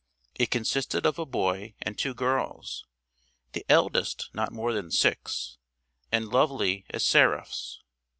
It consisted of a boy and two girls, the eldest not more than six, and lovely as seraphs.